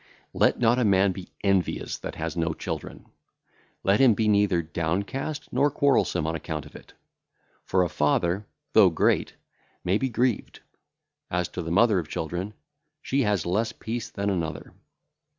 Let not a man be envious that hath no children; let him be neither downcast nor quarrelsome on account of it. For a father, though great, may be grieved; as to the mother of children, she hath less peace than another.